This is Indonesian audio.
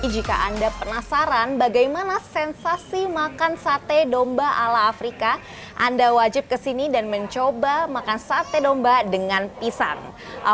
jika anda penasaran bagaimana sensasi makan sate domba ala afrika anda wajib kesini dan mencoba makan sate domba dengan pisang